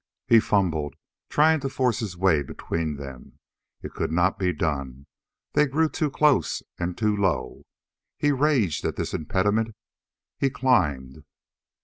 He fumbled, trying to force his way between them. It could not be done; they grew too close and too low. He raged at this impediment. He climbed.